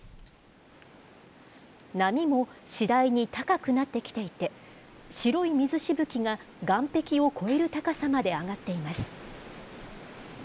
波も次第に高くなってきていて、白い水しぶきが岸壁を越える高さまで上がっています。